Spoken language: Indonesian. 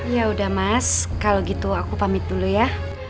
yaudah mas kalau gitu aku pamit dulu ya